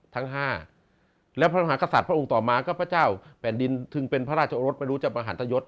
ทั้ง๕และพระมหากษัตริย์พระองค์ต่อมาก็พระเจ้าแผ่นดินถึงเป็นพระราชรสไม่รู้จะประหันทยศ